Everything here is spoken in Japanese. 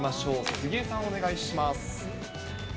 杉江さん、お願いします。